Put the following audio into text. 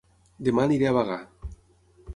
Dema aniré a Bagà